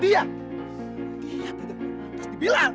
dia tidak harus dibilang